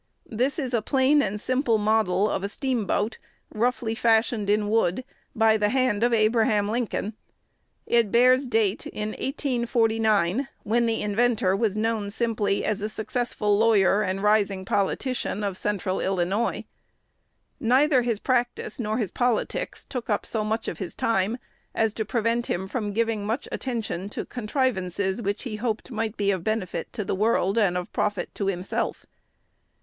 This is a plain and simple model of a steamboat, roughly fashioned in wood, by the hand of Abraham Lincoln. It bears date in 1849, when the inventor was known simply as a successful lawyer and rising politician of Central Illinois. Neither his practice nor his politics took up so much of his time as to prevent him from giving much attention to contrivances which he hoped might be of benefit to the world, and of profit to himself.